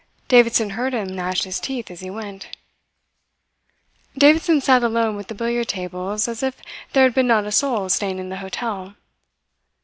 Davidson heard him gnash his teeth as he went. Davidson sat alone with the billiard tables as if there had been not a soul staying in the hotel.